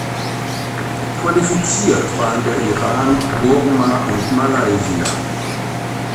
Qualifiziert waren der Iran, Burma und Malaysia.